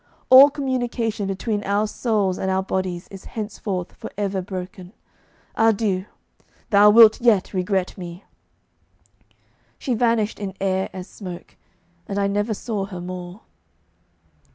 All communication between our souls and our bodies is henceforth for ever broken. Adieu! Thou wilt yet regret me!' She vanished in air as smoke, and I never saw her more.